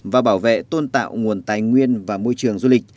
và bảo vệ tôn tạo nguồn tài nguyên và môi trường du lịch